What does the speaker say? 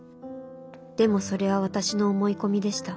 でもそれは私の思い込みでした。